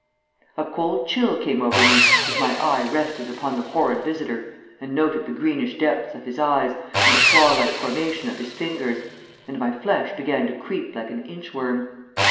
A cold chill came over me as my eye rested upon the horrid visitor and noted the greenish depths of his eyes and the claw like formation of his fingers, and my flesh began to creep like an inch worm.